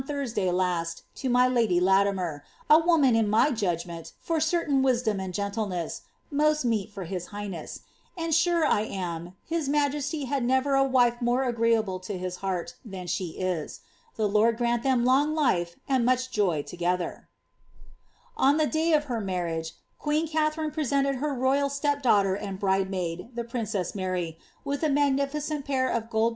y^ Tonraday luai to my lady Latimer, a woman in my judgment, for certain viMom and gentleness, most meet for his highness ; and sure I am, his ^■ T^^y ^*^ never a wife more agreeable to his heart than slic is. The *^ uw grant them long life, and much joy together." *■""^' lU? ^^® ^*y ^^^^^ marriage, queen Katharine presented her royal step iT— ^yS^^rand bridemaid, the princess Mar\', with a maijnitirrnt piiir of ^=^.